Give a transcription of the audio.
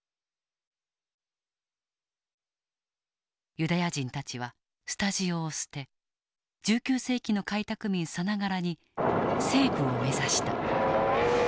ユダヤ人たちはスタジオを捨て１９世紀の開拓民さながらに西部を目指した。